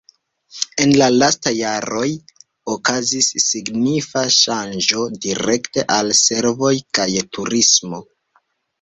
En la lastaj jaroj okazis signifa ŝanĝo direkte al servoj kaj turismo.